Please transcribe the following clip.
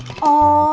oh karena apa